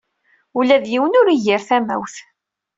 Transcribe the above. Ula d yiwen ur igir tamawt?